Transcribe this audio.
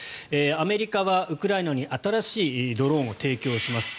アメリカはウクライナに新しいドローンを提供します。